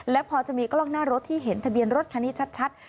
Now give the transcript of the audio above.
และพอจะมีกล้องหน้ารถที่เห็นทะเบียนรถคันนี้ชัด